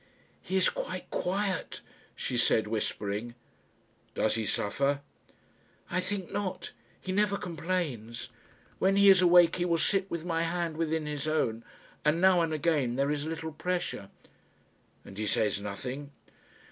"He is quite quiet," she said, whispering. "Does he suffer?" "I think not; he never complains. When he is awake he will sit with my hand within his own, and now and again there is a little pressure." "And he says nothing?"